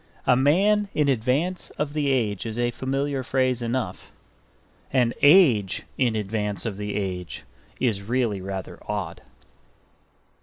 A man in advance of the age is a familiar phrase enough. An age in advance of the age is really rather odd.